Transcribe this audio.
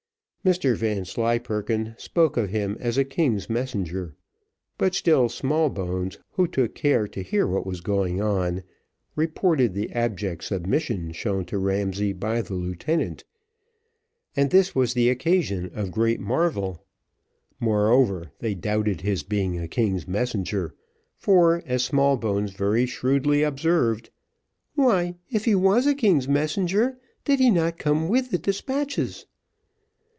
Mr Vanslyperken spoke of him as a king's messenger, but still Smallbones, who took care to hear what was going on, reported the abject submission shown to Ramsay by the lieutenant, and this was the occasion of great marvel; moreover, they doubted his being a king's messenger, for, as Smallbones very shrewdly observed, "Why, if he was a king's messenger, did he not come with the despatches?"